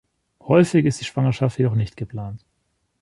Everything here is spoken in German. Häufig ist die Schwangerschaft jedoch nicht geplant.